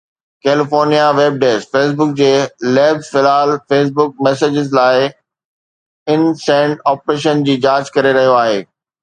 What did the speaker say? California web desk Facebook جي labs في الحال فيس بڪ ميسينجر لاءِ ان-سينڊ آپشن جي جاچ ڪري رهيون آهن.